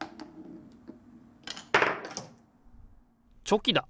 チョキだ！